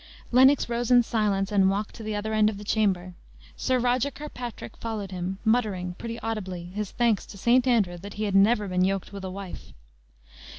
Lennox rose in silence, and walked to the other end of the chamber. Sir Roger Kirkpatrick followed him, muttering, pretty audibly, his thanks to St. Andrew that he had never been yoked with a wife.